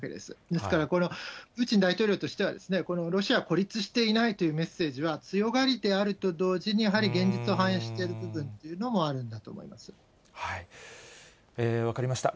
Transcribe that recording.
ですから、プーチン大統領としては、ロシアは孤立していないというメッセージは、強がりであると同時に、やはり現実を反映している部分というのも分かりました。